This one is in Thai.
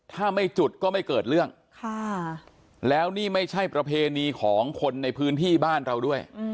ถ้าไม่จุดก็ไม่เกิดเรื่องแล้วนี่ไม่ใช่ประเพณีของคนในพื้นที่บ้านเราด้วย